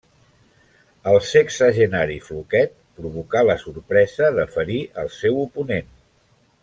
El sexagenari Floquet provocà la sorpresa de ferir al seu oponent.